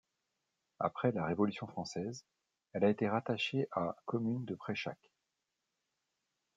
Après la Révolution française, elle a été rattachée à commune de Préchac.